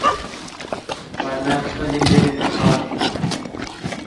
As a human becomes frightened, Plasm is generated.